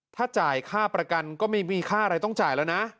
ถ้าจ่ายค่าประกันก็ไม่มีค่าอะไรต้องจ่ายแล้วนะ